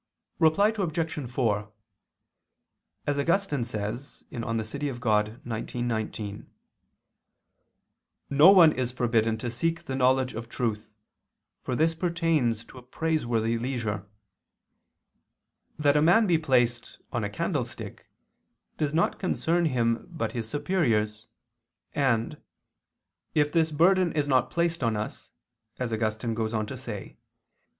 Reply Obj. 4: As Augustine says (De Civ. Dei xix, 19), "no one is forbidden to seek the knowledge of truth, for this pertains to a praiseworthy leisure." That a man be placed "on a candlestick," does not concern him but his superiors, and "if this burden is not placed on us," as Augustine goes on to say (De Civ.